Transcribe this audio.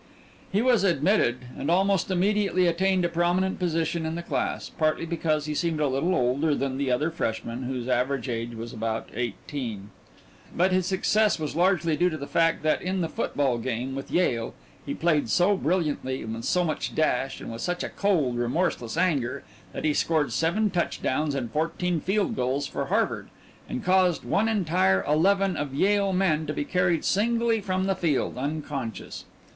He was admitted, and almost immediately attained a prominent position in the class, partly because he seemed a little older than the other freshmen, whose average age was about eighteen. But his success was largely due to the fact that in the football game with Yale he played so brilliantly, with so much dash and with such a cold, remorseless anger that he scored seven touchdowns and fourteen field goals for Harvard, and caused one entire eleven of Yale men to be carried singly from the field, unconscious.